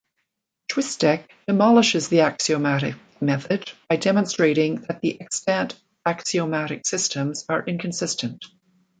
Chwistek demolishes the axiomatic method by demonstrating that the extant axiomatic systems are inconsistent.